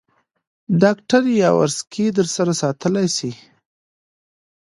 ډاکټر یاورسکي در سره ساتلای شې.